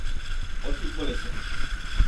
ও ঠিক বলেছে।